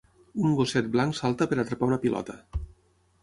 Un gosset blanc salta per atrapar una pilota